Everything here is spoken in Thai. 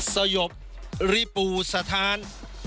สยบริปูสถาน